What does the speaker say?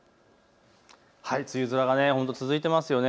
梅雨空が本当に続いてますよね。